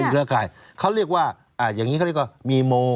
เครือข่ายเขาเรียกว่าอย่างนี้เขาเรียกว่ามีโม